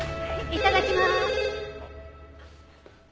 いただきま。